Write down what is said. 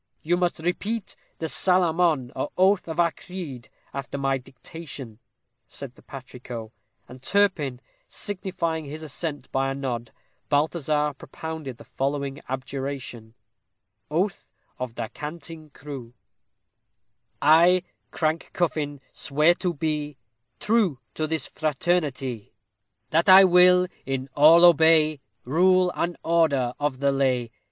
"You must repeat the 'salamon,' or oath of our creed, after my dictation," said the patrico; and Turpin, signifying his assent by a nod, Balthazar propounded the following abjuration: OATH OF THE CANTING CREW I, Crank Cuffin, swear to be True to this fraternity; That I will in all obey Rule and order of the lay.